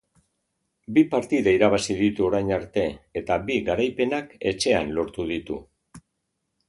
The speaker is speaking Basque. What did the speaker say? Bi partida irabazi ditu orain arte, eta bi garaipenak etxean lortu ditu.